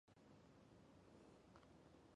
克伦威尔的头颅被挑在长矛上四处游街。